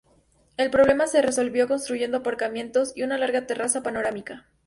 El problema se resolvió construyendo aparcamientos y una larga terraza panorámica.